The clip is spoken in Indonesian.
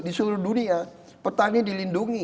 di seluruh dunia petani dilindungi